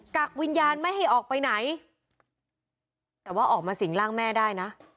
กักวิญญาณไม่ให้ออกไปไหนแต่ว่าออกมาสิ่งร่างแม่ได้นะ